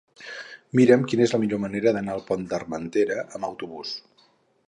Mira'm quina és la millor manera d'anar al Pont d'Armentera amb autobús.